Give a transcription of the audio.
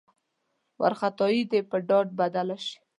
وارخطايي دې په ډاډ بدله شي.